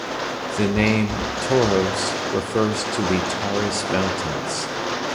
The name "Toros" refers to the Taurus mountains.